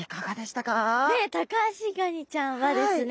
ねえタカアシガニちゃんはですね